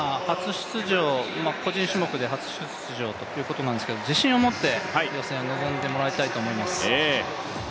個人種目で初出場ということなんですが、自信を持って予選に臨んでもらいたいと思います。